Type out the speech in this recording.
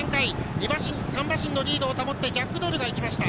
２馬身、３馬身のリードを保ってジャックドールがいきました。